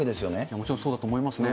もちろんそうだと思いますね。